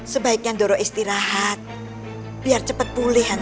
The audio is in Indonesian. sebaiknya doro istirahat biar cepat pulih doro